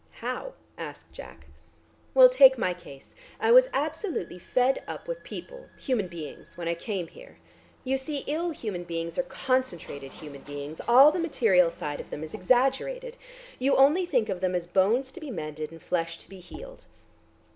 "How?" asked Jack. "Well, take my case. I was absolutely Fed Up with people, human beings, when I came here. You see, ill human beings are concentrated human beings. All the material side of them is exaggerated; you only think of them as bones to be mended and flesh to be healed.